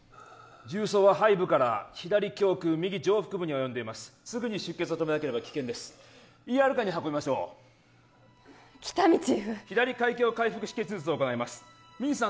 銃創は背部から左胸腔右上腹部に及んでいますすぐに出血を止めなければ危険ですＥＲカーに運びましょう喜多見チーフ左開胸開腹止血術を行いますミンさん